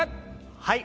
はい。